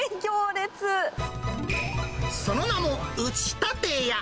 その名も、うちたて家。